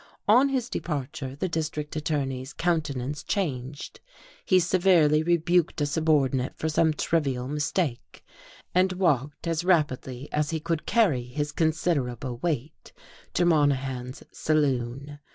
On his departure the district attorney's countenance changed. He severely rebuked a subordinate for some trivial mistake, and walked as rapidly as he could carry his considerable weight to Monahan's saloon....